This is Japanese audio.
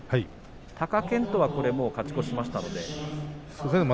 貴健斗はもう勝ち越しましたので。